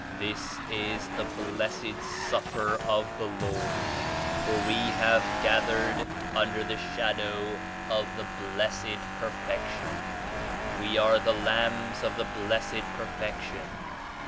"This is the blessed supper of the Lord for we have gathered under the shadow of the Blessed Perfection." "We are the lambs of the Blessed Perfection.